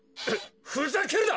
ふざけるな！